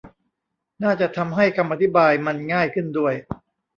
น่าจะทำให้คำอธิบายมันง่ายขึ้นด้วย